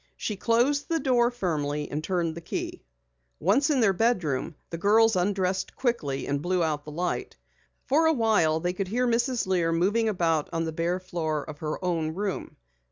She closed the door firmly and turned the key. Once in their bedroom, the girls undressed quickly and blew out the light. For awhile they could hear Mrs. Lear moving about on the bare floor of her own room.